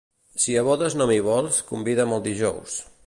Si a bodes no m'hi vols, convida'm el dijous.